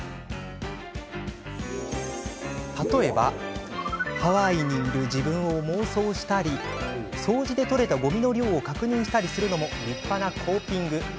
例えばハワイにいる自分を妄想したり掃除で取れたごみの量を確認するのも、立派なコーピング。